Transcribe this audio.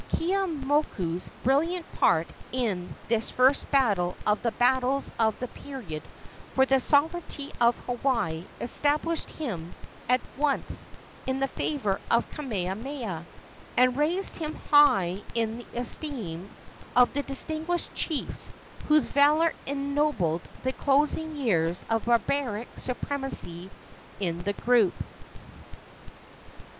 Keeaumoku's brilliant part in this first of the battles of the period for the sovereignty of Hawaii established him at once in the favor of Kamehameha, and raised him high in the esteem of the distinguished chiefs whose valor ennobled the closing years of barbaric supremacy in the group.